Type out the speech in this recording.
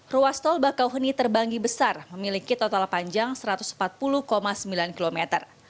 ruas tol bakauheni terbanggi besar memiliki total panjang satu ratus empat puluh sembilan kilometer